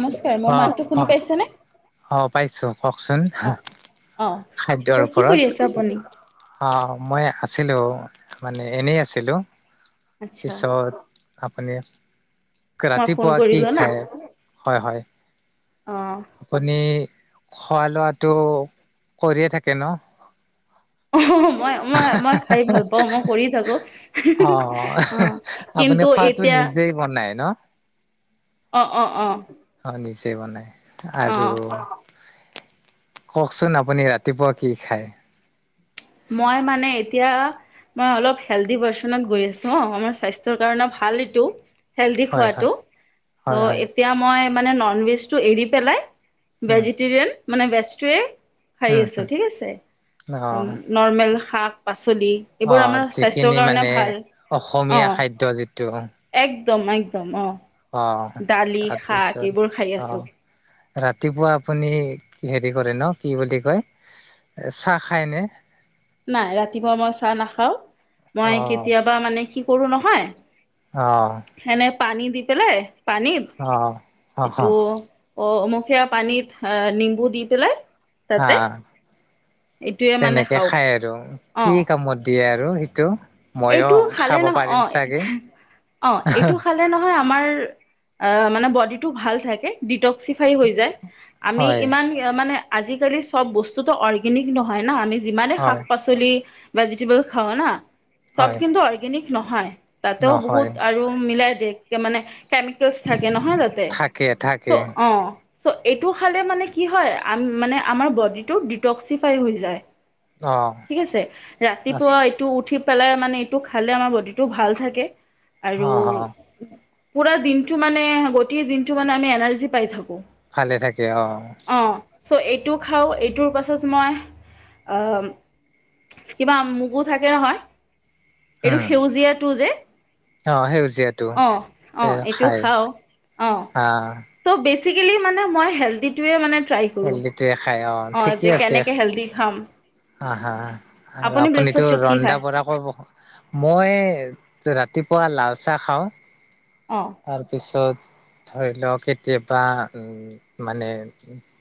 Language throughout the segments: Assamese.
নমস্কাৰ মোৰ মাতটো শুনি পাইছেনে? অ'-অ'-অ', পাইছো। কওঁকচোন অ', অ', অ'। খাদ্যৰ চ' কি ওপৰত, কৰি আছে আপুনি? অ' মই আছিলোঁ মানে এনেই আছিলোঁ। আচ্ছা পিছত আ আপুনি? মই ফোন ৰাতিপুৱা কি কৰিলো না খাই? হয-হয়, অ'। আপুনি খোৱা লোৱাটো কৰিয় থাকে ন। অ' মই-মই-মই খাই ভাল পাওঁ মই কৰি থাকো অ অ' আপুনি কিন্তু খোৱাটো এতিয়া নিজেই বনায় ন অ'-অ'-অ'। [unintelligible] বনায় আৰু কওঁকচোন আপুনি ৰাতিপুৱা কি খায়? মই মানে এতিয়া মই অলপ হেলডি ভাৰ্চনত গৈ আছোঁ, অকমান স্বাস্থ্যৰ কাৰণে ভাল এইটো। হেল্ডি হয় হয় খোৱাটো, হয় চ' হয় এতিয়া মই মানে নন ভেজ টো এৰি পেলাই উম ভেজিটেৰিয়ান মানে গাছট্ৰে খাই উম আছো ঠিক আছে উম ময়ো শাক পাচ অ যিখিনি মানে অসমীয়া খাদ্য যিটো ত মাইকদম অ অঁ দালি শাক তাৰপিছত এইবোৰ খাই আছো অঁ ৰাতিপুৱা আপুনি হেৰি কৰে ন কি বুলি কয় চাহ খায়নে নাই ৰাতিপুৱা মই চাহ নাখাও অ মই কেতিয়াবা মানে কি কৰো নহয় অঁ সেনে পানী দি পেলাই পানীত অ হ এইটো অ মোক সেয়া পানীত নিম্বু দি পেলাই হা তাতে এইটোৱে মানে তেনেকে খাওঁ খাই আৰু অ কি কামত দিয়ে আৰু [unintelligible] সিটো এইটো খালে নহয় অ অ এইটো খালে নহয় আমাৰ অ মানে বডিটো ভাল থাকে ডিট চিফাৰী হৈ যায় আমি হয় ইমান এ মানে আজিকালি চব বস্তুতো অৰ্গেনিক নহয় না আ যিমানে হয় শাক পাচলি ভেজিটেবল খাওঁ না চব হয় কিন্তু অৰ্গেনিক নহয় তাতেও নহয় বহুত আৰু মিলাই কে মানে কেমিকেলছ থাকে নহয় তাতে থাকে থাকে চ' অ চ' এইটো খালে মানে কি হয়, আ, মানে আমাৰ বডিটো ডিটক্সিফাই হৈ যায়। অ ঠিক আছে। আ ৰাতিপুৱা এইটো উঠি পেলাই মানে এইটো খালে আমাৰ বডিটো ভাল থাকে। অ আৰু অ পুৰা দিনটো মানে, গোটেই দিনটো মানে আমি এনাৰ্জি পাই থাকো। ভালে থাকে। অঁহ '। চ' এইটো খাওঁ। এইটোৰ পাছত মই, আহ কিবা মগু থাকে হয় এইটো উম সেউজীয়াটো যে। অ সেউজীয়াটো অ, অ, এইটো খায় খাওঁ। অহ, আহ চব বেছি বেচিকেলী মানে মই হেল্ডিটোৱে মানে ট্ৰায় কৰো। হেল্ডিটোৱে খায় অহ, যে ঠিকেই আছে কেনেকে হেল্দি খাম অ, হা, আৰু আপুনি আপুনিতো ব্ৰেকফাষ্টত কি ৰন্ধা খায় বঢ়া কৰি [unintelligible] মই ৰাতিপুৱা লাল চাহ খাওঁ। অঁ তাৰপিছত ধৰি লওঁক কেতিয়াবা মানে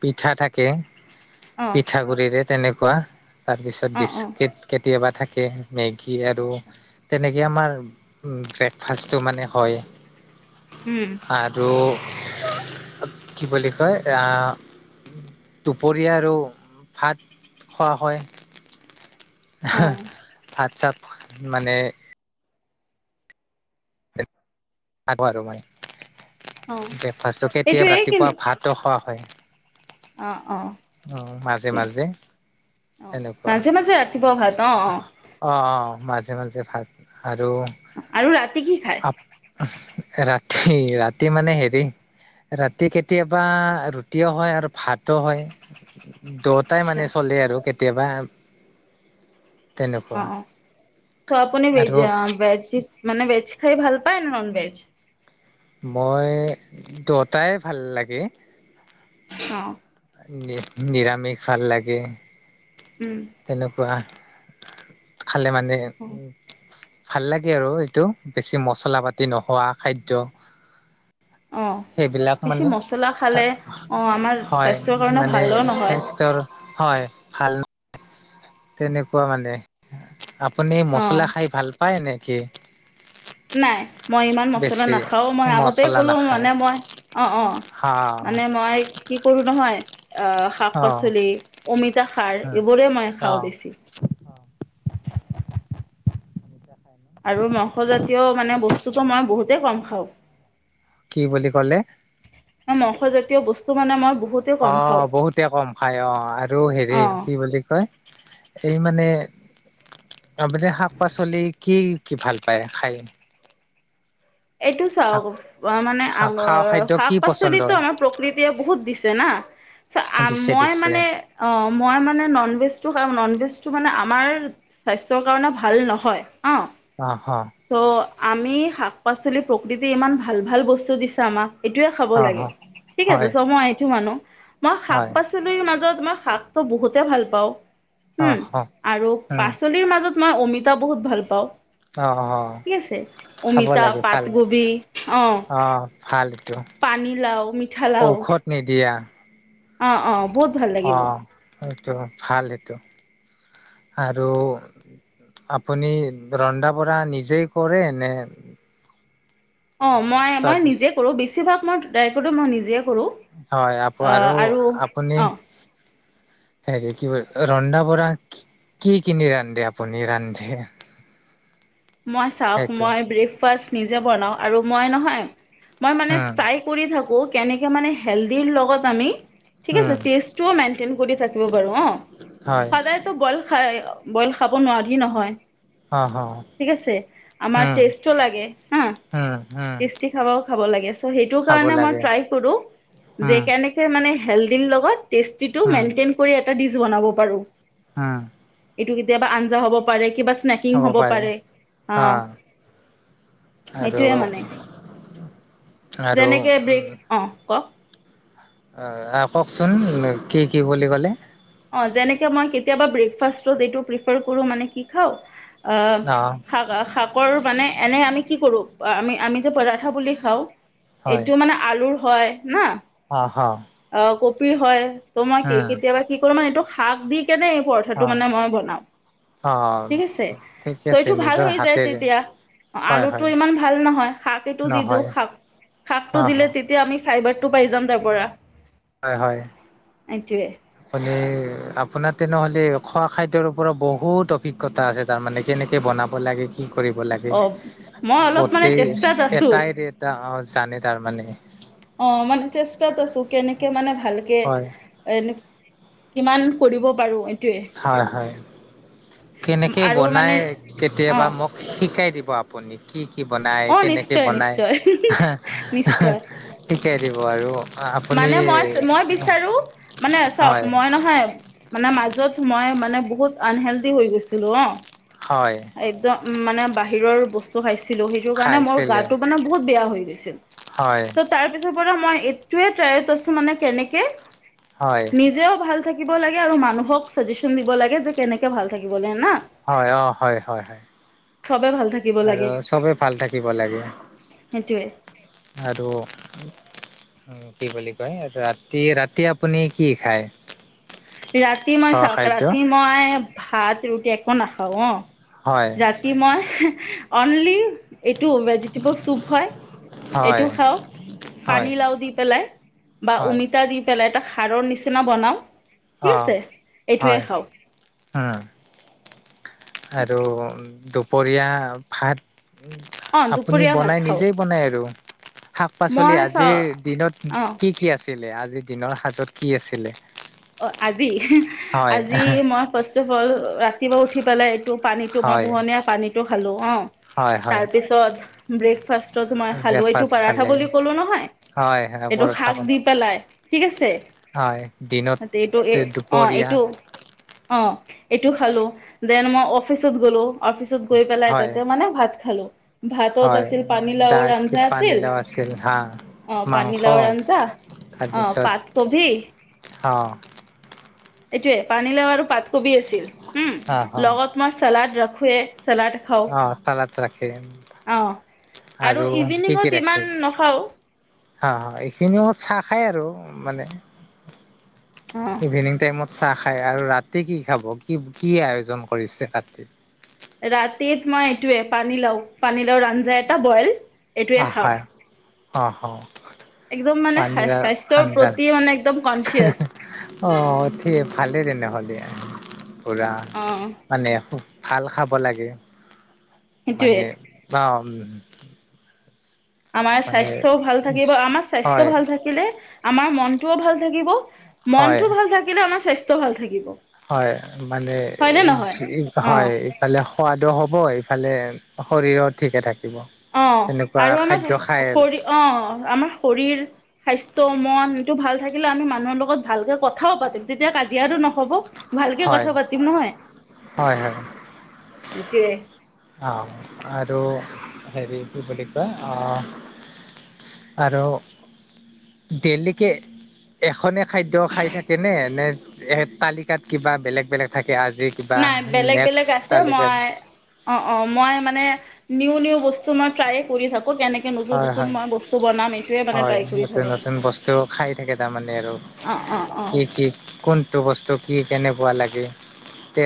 পিঠা থাকে। অঁ পিঠাগুড়িৰে তেনেকুৱা। তাৰপিছত অঁ অঁ বিস্কিট কেতিয়াবা থাকে। মেগী আৰু আচ্ছা তেনে এ আমাৰ ব্ৰেকফাষ্টটো মানে হয়। আৰু কি বুলি কয়, আহ! দুপৰীয়া আৰু ভাত খোৱা হয়। অঁ ভাত চাত মানে [unintelligible] আৰু মানে। অঁ ব্ৰেকফাষ্টটো কেতিয়া [unintelligible] এইটোৱেই ৰাতিপুৱা ভাতো খোৱা হয়। অ'। মাজে মাজে অঁ এনেকুৱা মাজে মাজে ৰাতিপুৱা ভাত অঁ অ' অঁ অ'। মাজে মাজে ভাত আৰু আৰু ৰাতি কি খায়? ৰাতি ৰাতি মানে হেৰি, ৰাতি কেতিয়াবা ৰুটিও হয় আৰু ভাতো হয়। [inaudible] দোটাই আচ্ছা। মানে চলে আৰু কেতিয়াৱা অ তেনেকুৱা অ চ আপুনি ভেজ আৰু [unintelligible] মানে ভেজ খাই ভাল পায় নে নন-ভেজ? মই, দুতাই ভাল লাগে। অ'। নি নিৰামিষ ভাল লাগে। উম তেনেকুৱা খালে মানে ভাল লাগে আৰু এইটো, বেছি মচলা পাতি নোহোৱা খাদ্য। অ সেইবিলাক বেছি মানে মছলা খালে অ আমাৰ হয়, স্বাস্থ্যৰ কাৰণে মানে, ভালো নহয়। স্বাস্থ্যৰ হয় ভাল ন তেনেকুৱা মানে। আপুনি অ মছলা খাই ভাল পায় নেকি? নাই। মই ইমান মছলা বেছি নাখাওঁ, মই আগতে মছলা ক'লো নাখায় মানে মই অ' অ' হা মানে মই কি কৰোঁ নহয় শাক অ পাচলি অমিত খাৰ, উম এইবোৰে মই অ খাওঁ বেছি। আৰু [unintelligible] মানে বস্তুটো মই বহুতেই কম খাওঁ। কি বুলি কলে? মংসজাতীয় বস্তু মানে মই বহুতেই কম খাওঁ। অ' বহুতে কম খাই অ' আৰু অ', হেৰি কি বুলি কয় এই মানে আ মানে শাক পাচলি কি কি ভাল পায় খাই? এইটো চাওক শাক মানে খা খোৱা খাদ্য শাক কি পচন্দৰ পাচলিতো আমাৰ প্ৰকৃতিয় বহুত দিছে না চ দিছে মই দিছে মানে মই মানে ননভেজ ননভেজটো মানে আমাৰ স্বাস্থ্যৰ কাৰণে ভাল নহয় অ'। অ হ ত' আমি শ শাক-পাচলি প্ৰকৃতি ইমান ভাল, ভাল বস্তু দিছে আমাক এইটোৱে খাব অ হ লাগে। ঠিক আছে হয় চ মই এইটো মনো। মই শাক হয় পাচলিৰ মাজত মই শাক ত' বহুতে ভাল পাওঁ অ উম, হ আৰু উম পাচলিৰ মাজত মই অমিতা বহুত ভাল পাওঁ। অ অ [unintelligible] আছে খাব অমিতা লাগে পাটগবি আহ। ভালে পানী লাও মিঠা লাও নিদিয়া অ অ। বহুত ভাল লাগিব। ত ভাল এইটো আৰু আপুনি ৰন্ধা বঢ়া নিজেই কৰে নে অ মই মই তাৰপিছ নিজে কৰো বেছিভাগ মই দাইকটো মই নিজে কৰোঁ হয় আপ আৰু আপুনি অ হেৰি কি ৰন্ধা বঢ়া কি কিনি ৰান্ধে আপুনি ৰান্ধে মই চাওক সেইটো মই ব্ৰেকফাষ্ট নিজে বনাও আৰু মই নহয় মই মানে উম ট্ৰাই কৰি থাকো কেনেকে মানে হেল্দি লগত আমি ঠিক আছে উম টেষ্টটোৱ মেনটেন্ট কৰি থাকিব পাৰো অ হয় সদায়তো বইল খাই বইল খাব নোৱাৰি নহয়। অ হ ঠিক আছে আমাৰ উম টেষ্টো লাগে হা উম উম টেষ্টি খাবা খাব লাগেছ ত সেইটো খাব কাৰণে মই লাগে ট্ৰাই কৰো যে উম কেনেকে মানে হেলডিল লগত টেষ্টিটো মেইনটেইন কৰি এটা ডিছ্ বনাব পাৰো হম এইটো কেতিয়াবা আঞ্জা হব পাৰে কিবাচ স্নেকিং হ'ব পাৰে। অ আৰু এইটোৱে মানে আৰু যেনেকে ব্ৰেক অ ক অ আ কওক চোন কি কি বুলি কলে অ যেনেকে মই কেতিয়াবা ব্ৰেকফাষ্টত এইটো প্ৰিফাৰ কৰো মানে কি খাও অ শাক শাকৰো মানে এনে আমি কি কৰোঁ আমি আমি যে পৰঠা বুলি খাওঁ হয় এইটো মানে আলু হয় না অ' হ পি হয় তোমাক কি উম কেতিয়াবা মা এইটো শাক দি কেনে এই পৰঠাটো অ মানে মই বনাওঁ অ ঠিক আছে। ঠিকে আছে নিজৰ হাতেৰে হয় হয় নহয় অ হ, টো পাইি যাম তাৰ পৰা হয় হয় এইটোৱে আপুনি আপোনাৰ তেনেহ'লে খোৱা খাদ্যৰ ওপৰত বহুত অভিজ্ঞতা আছে তাৰমানে কেনেকৈ বনাব লাগে কি কৰিব লাগে, অ মই অলপ মানে গোটেই চেষ্টাত আছো এটাই এৰি এটা অ' জানে তাৰমানে। কে মানে ভালকে হয় এন কিমান কৰিব পাৰো এইটোৱে হয় কেনেকে আৰু বনাই মানে অ কেতিয়াবা মোক শিকাই বা আপুনি কি কি বনাই অ কেনেকে নিশ্চয় বনাই নিশ্চয় নিশ্চয় [unintelligible] ঠিকে দ আৰু আপুনি মানে মই মই বিচাৰো মানে চাওঁক হয় মই নহয় মানে মাজ [unintelligible] মই মানে বহুত আনহেল্ডি হৈ গৈছিলো অ'। হয়। একদম মানে বাহিৰৰ বস্তু খাইছ [unintelligible] সেইটোৰ কাৰণে মোৰ খাইছিলে গাটো মানে বহুত বেয়া হৈ গৈছিল, হয় তাৰ পিছৰ পৰা মই এটোৱেই ট্ৰাইত আছো মানে কেনেকে হয় নিজেও ভাল থাকি থাকিব লাগে আৰু মানুহক চাজেচন দিব লাগে যে কেনেকে ভাল থাকিব লাগে না। হয় অ'। হয় হয় হয়। চবে ভাল থাকিব আৰু লাগে চবেই ভাল থাকিব লাগে, সেইটোৱে আৰু। উম, কি বুলি কয় ৰাতি ৰাতি আপুনি কি খায়। ৰাতি মই খোৱা চাওঁক খাদ্য ৰাতি মই ভাত ৰুটি একো নাখাওঁ হয় অ'। ৰাতি মই অনলি এইটো ভেজিটেবল চুপ হয়। হয় এইটো খাওঁ হয় পানীলাও দি পেলাই বা হয় অমিতা দি পেলাই এটা সাৰৰ নিচিনা বনাওঁ। ঠিক অ আছে এইটোৱে হয় খাওঁ। উম আৰু দুপৰীয়া ভাত। অঁ আপুনি দুপৰীয়া ভাত বনাই খাওঁ নিজেই বনাই আৰু। শাক পাচলি মই চ আজিৰ দিনত অঁ কি কি আছ [unintelligible] আজি দিনৰ সাজত কি আছিলে। অ' আজি। হয় আজি মই ফাৰ্ষ্ট অফ অল ৰাতিপুৱা উঠি পেলাই টো পানীতো মই হয় পোহনীয়া পানীটো টো খালো অ হয় হয় তাৰপিছত ব্ৰেকফাষ্ট মই হাল এইটো ব্ৰেকফাষ্ট পাৰঠা খালে বুলি কলো নহয় হয় হয় এইটো পৰঠা শাক খালে দি পেলাই ঠিক আছে হয় দিনত এইটো এ অ দুপৰীয়া এইটো অ এইটো খালো দেন মই অফিচত গ'লো অফিচত গৈ পেলাই হয় তাতে মানে ভাত খালোঁ। ভাতত হয় আছিল পানীলাওৰ দাইল কি আঞ্জা আছিল পানীলাও আছিল হা অ মাংস পানীলাওৰ আঞ্জা অ তাৰপিছত পাতকবি অ এইটোৱে পানীলও আৰু পাতকবি আছিল উম অ অ লগত ম চালড ৰাখ শুোৱে অ চালাদ ৰাখে অ আৰু কি ইভিনিঙত কি ইমান ৰাখে নাখাওঁ অ এইখিনিও চাহ খাই আৰু মানে অ ইভিনিং টাইমত চাহ খায় আৰু ৰাতি কি খাব কি কি আয়োজন কৰিছে কতি ৰাতিত মই এইটোৱে পানীলাও পানীলাও আঞ্জা এটা বইল এইটোৱে খাওঁ আহাৰ অ একদম মানে পান্জ স্বাস্থ্যৰ আঞ্জাৰ প্ৰতি মানে একদম কনচিয়াছ অ কি ভালেই তেনেহ'লে পুৰা অ মানে ভাল খাব লাগে সেইটোৱে মানে অ আৰু নেকি আমাৰ স্বাস্থ্যও ভাল থাকিব আমাৰ স্বাস্থ্য হয় ভাল থাকিলে আমাৰ মনটোও ভাল থাকিব হয় মনতটো ভাল থাকিলে আমাৰ স্বাস্থ ভাল থাকিব হয়, মানে হয়নে নহয় অ হয়, ইফালে সোৱাদো হ'ব ফালে শৰীৰো ঠিকে থাকে অ আৰু আমাৰ ছ আৰু শৰীৰ, অ আমাৰ শৰীৰ স্বাস্থ্য, মন টো ভাল থাকিলে আমি মানুহৰ লগত ভালকে কথাও পাতিম, তেতিয়া কাজিয়াটো নহব ভালকে হয় কথা পাতিম নহয়? হয় এইটোয়ে অ, আৰু হেৰি, কি বুলি কয়, অ আৰু, ডেইলিকে এখনে খাদ্য খাই থাকে নে, নে তালিকাত কিবা বেলেগ-বলেগ পিয়াজি কিবাহ নাই নেক্স তালিকা অ, অ, মই মানে নিউ-নিউ বস্তু মই ট্ৰাই কৰি থাকো হয়, হয়, এইটোৱে মানে হয়, ট্ৰাই কৰি থাকোঁ নতুন-নতুন বস্তু খাই থাকে তাৰমানে আৰু, অঁ অঁ অঁ কি কি কোনটো বস্তু কি কেনে বোৱা লাগে তে